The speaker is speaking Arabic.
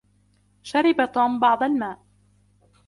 شرب توم بعض الماء.